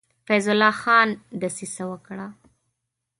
فیض الله خان دسیسه وکړه.